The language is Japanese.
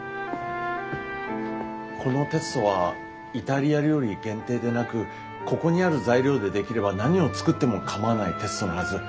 このテストはイタリア料理限定でなくここにある材料で出来れば何を作っても構わないテストのはず。